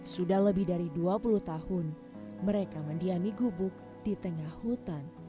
sudah lebih dari dua puluh tahun mereka mendiami gubuk di tengah hutan